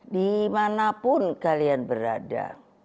dimanapun kalian berada